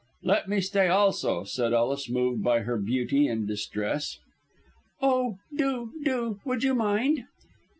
"Let me stay also!" said Ellis, moved by her beauty and distress. "Oh, do, do. Would you mind?"